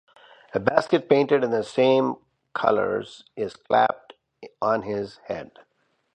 A basket painted in the same colors is clapped on his head.